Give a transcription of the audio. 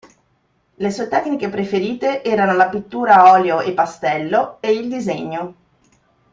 Le sue tecniche preferite erano la pittura a olio e pastello e il disegno.